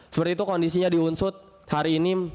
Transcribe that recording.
seperti itu kondisinya di unsut hari ini